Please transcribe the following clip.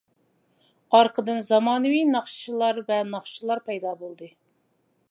ئارقىدىن زامانىۋى ناخشىلار ۋە ناخشىچىلار پەيدا بولدى.